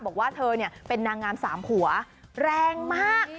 บอกว่าเธอเป็นนางงามสามผัวแรงมาก